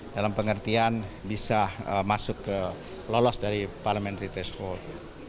dalam pengertian bisa masuk ke lolos dari parliamentary threshold